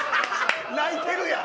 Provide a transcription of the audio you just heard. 泣いてるやん！